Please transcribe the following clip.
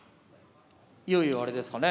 いよいよあれですかね